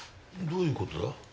どういうことだ？